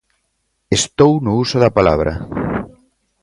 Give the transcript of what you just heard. ¡Estou no uso da palabra!